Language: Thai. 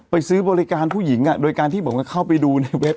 ซื้อบริการผู้หญิงโดยการที่บอกว่าเข้าไปดูในเว็บ